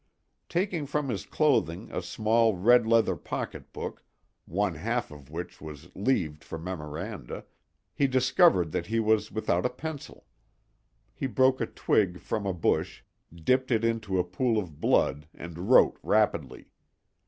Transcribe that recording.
Taking from his clothing a small red leather pocketbook, one half of which was leaved for memoranda, he discovered that he was without a pencil. He broke a twig from a bush, dipped it into a pool of blood and wrote rapidly.